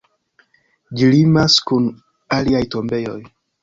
Ĝi limas kun aliaj tombejoj.